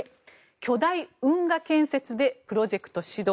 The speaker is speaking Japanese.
巨大運河建設でプロジェクト始動。